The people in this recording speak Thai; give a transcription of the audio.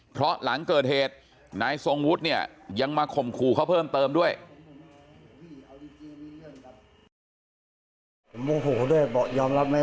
เพราะหลังเกิดเหตุนายทรงวุฒิเนี่ยยังมาข่มขู่เขาเพิ่มเติมด้วย